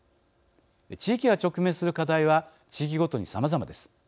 地域が直面する課題は地域ごとにさまざまです。